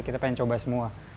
kita pengen coba semua